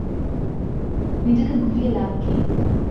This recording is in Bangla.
নিজেকে ভুলিয়ে লাভ কী।